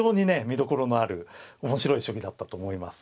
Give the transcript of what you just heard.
見どころのある面白い将棋だったと思います。